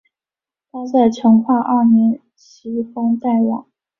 他在成化二年袭封代王。